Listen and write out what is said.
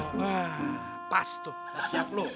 nah pas tuh udah siap lo